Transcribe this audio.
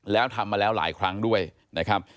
แล้วทำมาแล้วหลายครั้งด้วยนะครับ